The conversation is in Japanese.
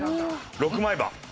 ６枚刃！？